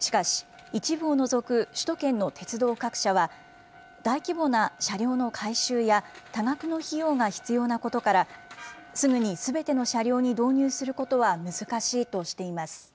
しかし一部を除く首都圏の鉄道各社は、大規模な車両の改修や、多額の費用が必要なことから、すぐにすべての車両に導入することは難しいとしています。